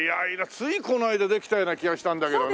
ついこの間できたような気がしたんだけどね。